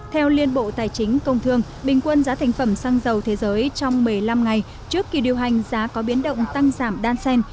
theo liên bộ tài chính công thương bình quân giá thành phẩm xăng dầu thế giới trong một mươi năm ngày trước kỳ điều hành giá có biến động tăng giảm đan sen